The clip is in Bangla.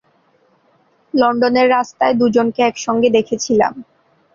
লন্ডনের রাস্তায় দু'জনকে একসঙ্গে দেখেছিলাম।